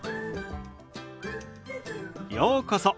ようこそ。